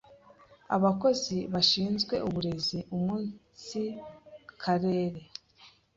abakozi bashinzwe uburezi umunsi Karere